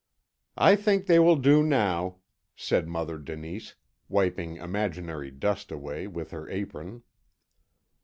"I think they will do now," said Mother Denise, wiping imaginary dust away with her apron.